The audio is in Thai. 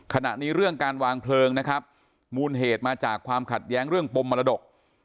ขณะนี้เรื่องการวางเพลิงนะครับมูลเหตุมาจากความขัดแย้งเรื่องปมมรดก